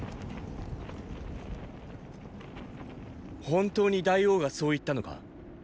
本当に大王がそう言ったのか？